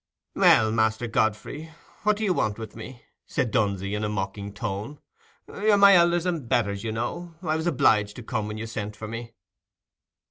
"Well, Master Godfrey, what do you want with me?" said Dunsey, in a mocking tone. "You're my elders and betters, you know; I was obliged to come when you sent for me."